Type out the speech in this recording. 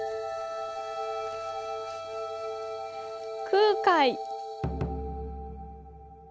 「空海」。